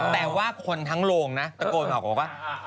แต่ว่าคนทั้งโหลงนะสังผัสออกว่า